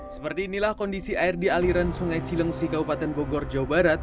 seperti inilah kondisi air di aliran sungai cilengsi kabupaten bogor jawa barat